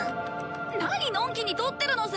何のんきに撮ってるのさ。